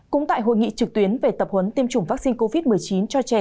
cũng tại hội nghị trực tuyến về tập huấn tiêm chủng vaccine covid một mươi chín cho trẻ